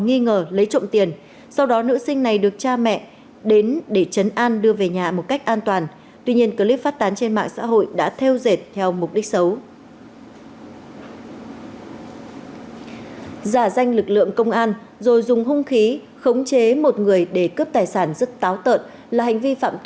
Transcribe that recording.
nghi ngờ lấy trộm tiền sau đó nữ sinh này được cha mẹ đến để chấn an đưa về nhà